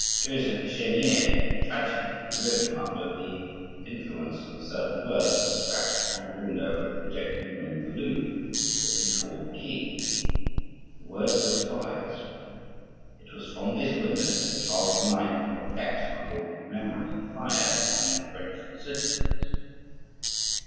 Joseph Cheniers tragedy was written under the influence of certain words scratched on the window of the projecting wing of the Louvre, looking toward the quay. The words were as follows: "It was from this window that Charles IX., of execrable memory, fired upon French citizens."